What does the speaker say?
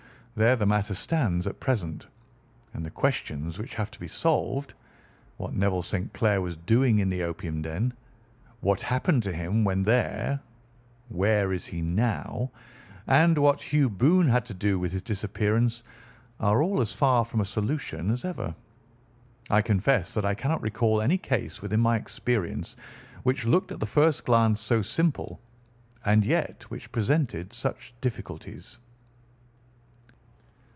There the matter stands at present, and the questions which have to be solved—what Neville St. Clair was doing in the opium den, what happened to him when there, where is he now, and what Hugh Boone had to do with his disappearance—are all as far from a solution as ever. I confess that I cannot recall any case within my experience which looked at the first glance so simple and yet which presented such difficulties."